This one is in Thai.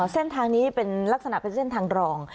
เส้นทางนี้เป็นลักษณะเป็นเส้นทางรอง